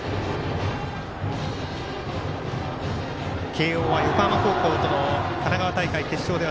慶応は横浜高校との神奈川大会の決勝では